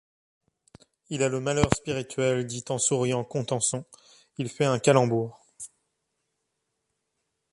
Il a le malheur spirituel, dit en souriant Contenson, il fait un calembour.